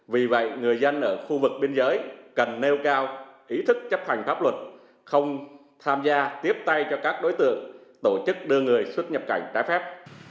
vì vậy người dân ở khu vực biên giới cần nêu cao ý thức chấp hành pháp luật không tham gia tiếp tay cho các đối tượng tổ chức đưa người xuất nhập cảnh trái phép